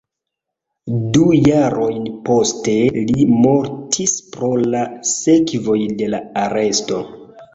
Du jarojn poste li mortis pro la sekvoj de la aresto.